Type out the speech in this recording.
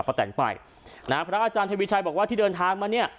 แตนไปนะฮะพระอาจารย์ทวีชัยบอกว่าที่เดินทางมาเนี่ย